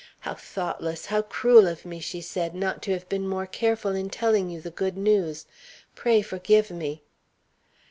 "How thoughtless, how cruel of me," she said, "not to have been more careful in telling you the good news! Pray forgive me."